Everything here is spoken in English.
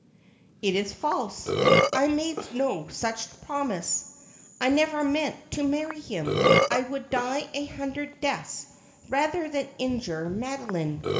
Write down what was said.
' It is false. I made no such promise. I never meant to marry him. I would die a hundred deaths rather than injure Madoline.